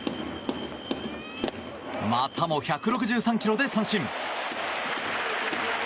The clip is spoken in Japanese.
またも１６３ｋｍで三振。